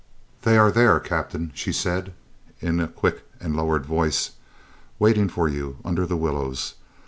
"They are there, Captain," she said in a quick and lowered voice, "waiting for you under the willows.